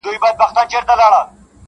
هغه مینه مړه سوه چي مي هیله نڅېده ورته-